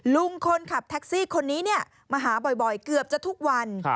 ลุงคนขับแท็กซี่คนนี้มาหาบ่อยเกือบจะทุกวัน